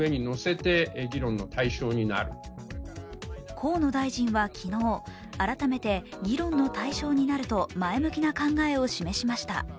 河野大臣は昨日、改めて議論の対象になると前向きな考えを示しました。